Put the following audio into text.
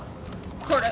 これ。